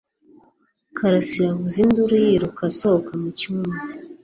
Karasira avuza induru yiruka asohoka mu cyumba.